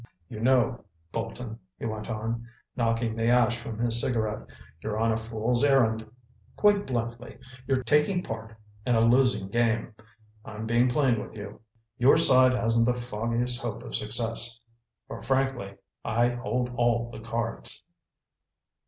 "You know, Bolton," he went on, knocking the ash from his cigarette, "you're on a fool's errand. Quite bluntly, you're taking part in a losing game. I'm being plain with you. Your side hasn't the foggiest hope of success—for, frankly, I hold all the cards."